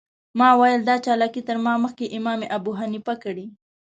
ما ویل دا چالاکي تر ما مخکې امام ابوحنیفه کړې.